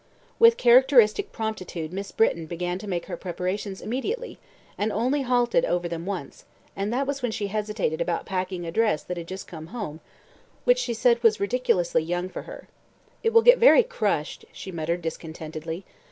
With characteristic promptitude Miss Britton began to make her preparations immediately, and only halted over them once, and that was when she hesitated about packing a dress that had just come home, which she said was ridiculously young for her. "It will get very crushed," she muttered discontentedly.